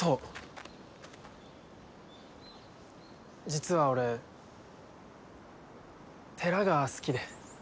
実は俺寺が好きで。